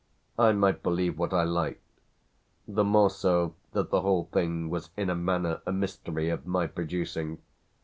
I might believe what I liked the more so that the whole thing was in a manner a mystery of my producing.